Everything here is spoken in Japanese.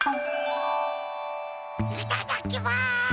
いただきます！